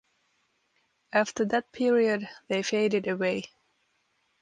After that period, they faded away.